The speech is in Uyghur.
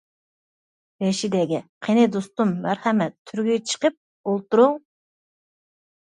رەشىدەگە: قېنى دوستۇم مەرھەمەت، تۆرگە چىقىپ ئولتۇرۇڭ.